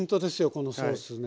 このソースね。